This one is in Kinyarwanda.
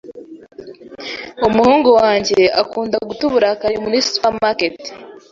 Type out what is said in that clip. Umuhungu wanjye akunda guta uburakari muri supermarket.